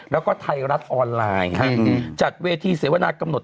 แล้วก็ไทรัชออนไลน์ครับอืมอืมจัดเวทีเสวนากำหนด